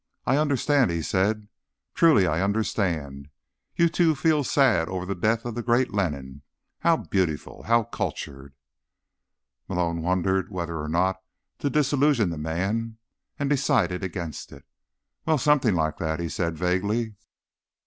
"I understand," he said. "Truly I understand. You, too, feel sad over the death of the great Lenin. How beautiful! How cultured!" Malone wondered whether or not to disillusion the man, and decided against it. "Well, something like that," he said vaguely.